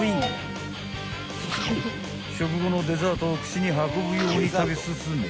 ［食後のデザートを口に運ぶように食べ進め］